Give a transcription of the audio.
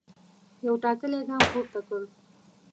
یو ټاکلی ګام پورته کړ.